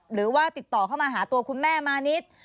หรือว่าติดต่อเข้ามาหาตัวคุณแม่มานิด